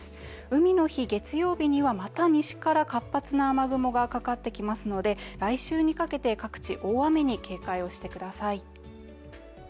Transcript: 海の日月曜日には、また西から活発な雨雲がかかってきますので来週にかけて各地、大雨に警戒をしてください。